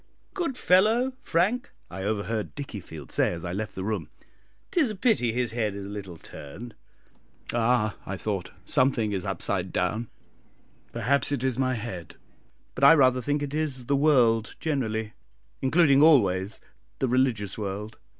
"Good fellow, Frank!" I overheard Dickiefield say, as I left the room; "it is a pity his head is a little turned!" "Ah," I thought, "something is upside down; perhaps it is my head, but I rather think it is the world generally, including always the religious world.